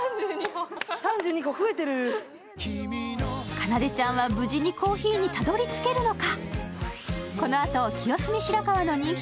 かなでちゃんは無事にコーヒーにたどり着けるのか？